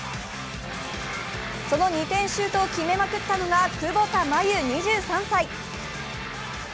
その２点シュートを決めまくったのが窪田真優２３歳。